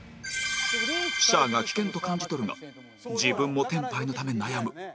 西が危険と感じ取るが自分もテンパイのため悩む